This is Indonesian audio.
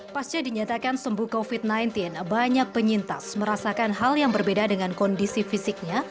pasca dinyatakan sembuh covid sembilan belas banyak penyintas merasakan hal yang berbeda dengan kondisi fisiknya